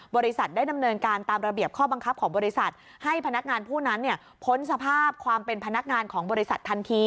บริษัทได้ดำเนินการตามระเบียบข้อบังคับของบริษัท